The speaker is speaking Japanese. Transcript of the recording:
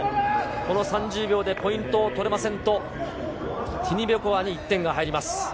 この３０秒でポイントを取れませんと、ティニベコワに１点が入ります。